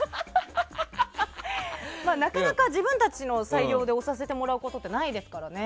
なかなか自分たちの裁量で押させてもらうことってないですからね。